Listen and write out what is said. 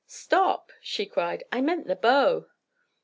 "Stop," she cried. "I meant the bow."